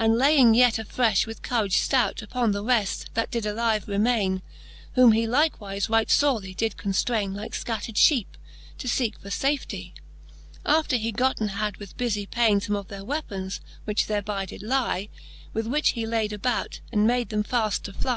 And laying yet afrefh with courage ftout Upon the reft, that did alive remaine ; Whom he likewife right forely did conftraine. Like fcattered ftieepe, to feeke for fafetie. After he gotten had with bufie paine Some of their weapons, which thereby did lie, With which he laid about, and made them faft to flie.